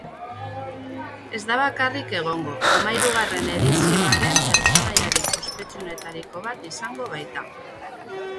Ez da bakarrik egongo, hamahirugarren edizioaren pertsonaiarik ospetsuenetariko bat izango baita.